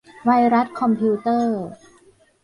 ไวรัสคอมพิวเตอร์